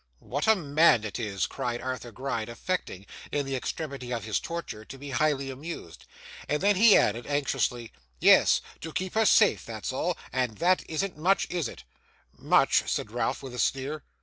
'What a man it is!' cried Arthur Gride, affecting, in the extremity of his torture, to be highly amused. And then he added, anxiously, 'Yes; to keep her safe, that's all. And that isn't much, is it?' 'Much!' said Ralph, with a sneer.